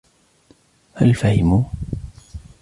هل فهموا ؟